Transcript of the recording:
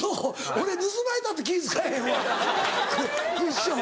俺盗まれたって気ぃ付かへんわクッション。